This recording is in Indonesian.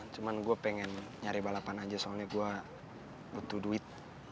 cuma gue pengen nyari balapan aja soalnya gue butuh duit